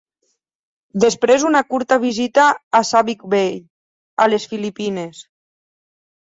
Després una curta visita a Subic Bay, a les Filipines.